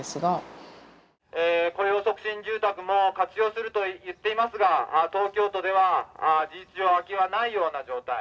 雇用促進住宅も活用すると言っていますが東京都では事実上空きはないような状態。